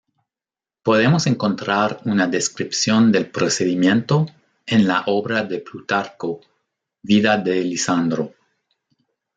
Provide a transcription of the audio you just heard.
Podemos encontrar una descripción del procedimiento en la obra de Plutarco, "Vida de Lisandro".